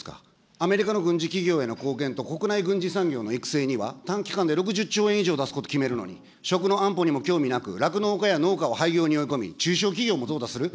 アメリカの軍事企業への貢献と、国内軍事産業の育成には、短期間で６０兆円以上出すことを決めるのに、食の安保にも興味なく、酪農家や農家を廃業に追い込み、中小企業もとう汰す。